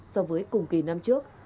so với cùng kỳ năm trước